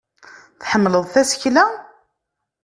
Tḥemmleḍ tasekla?